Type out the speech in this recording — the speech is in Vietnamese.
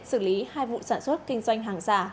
xử lý hai vụ sản xuất kinh doanh hàng giả